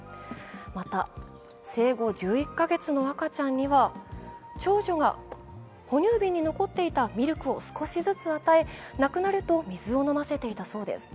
また、生後１１か月の赤ちゃんには長女が哺乳瓶に残っていたミルクを少しずつ与えなくなると水を飲ませていたそうです。